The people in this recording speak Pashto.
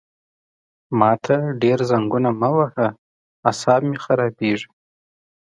ما ته ډېر زنګونه مه وهه عصاب مې خرابېږي!